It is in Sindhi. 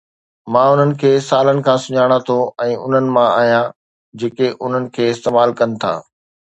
مان انھن کي سالن کان سڃاڻان ٿو ۽ انھن مان آھيان جيڪي انھن کي استعمال ڪن ٿا.